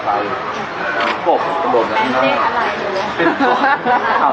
ไปสบบประโดชน์ข้างหน้า